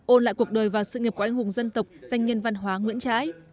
ôn lại cuộc đời và sự nghiệp của anh hùng dân tộc danh nhân văn hóa nguyễn trãi